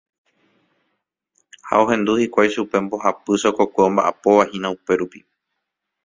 Ha ohendu hikuái chupe mbohapy chokokue omba'apovahína upérupi.